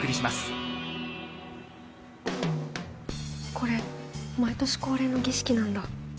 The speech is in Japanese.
これ毎年恒例の儀式なんだ。